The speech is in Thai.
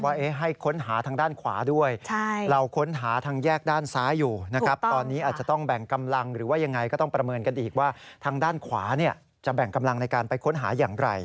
ว่าให้ค้นหาทางด้านขวาด้วยเราค้นหาทางแยกด้านซ้ายอยู่นะครับตอนนี้อาจจะต้องแบ่งกำลังหรือว่ายังไงก็ต้องประเมินกันอีกว่าทางด้านขวาเนี่ยจะแบ่งกำลังในการไปค้นหาอย่างไร